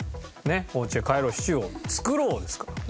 「お家へ帰ろうシチューを作ろう」ですから。